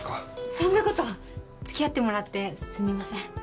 そんなこと付き合ってもらってすみません